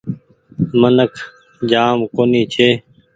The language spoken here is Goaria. منک جآم ڪونيٚ ڇي۔